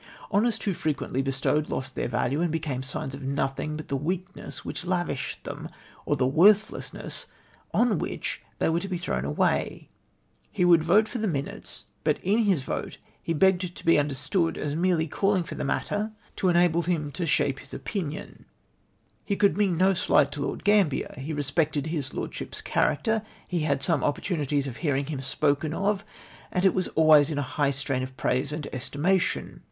Honours too frequently bestowed lost their value, and liecame signs of notliing but the weakness which lavished them, or tlie worthlessness on which they were to be thrown away. " He would vote for the minutes, but in his vote he begged to be understood as merely calling for matter to enable him MR. WIIITBREAD S VIEWS. 107 to shape Ids opinion. He could mean no slight to Lord Gramhier. He respected his lordship's character. He had some opportunities of hearing him spoken of, and it was always in a high strain of praise and estimation.